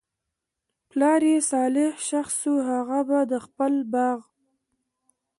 پلار ئي صالح شخص وو، هغه به د خپل باغ